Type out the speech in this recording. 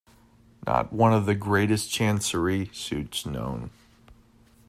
Not of one of the greatest Chancery suits known?